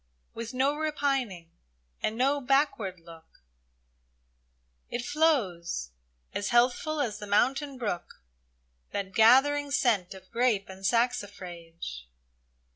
With no repining and no backward look — It flows, as healthful as the mountain brook, That gathering scent of grape and saxifrage.